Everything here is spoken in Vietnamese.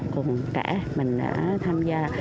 cùng cả mình đã tham gia